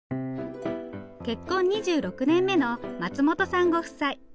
結婚２６年目の松本さんご夫妻。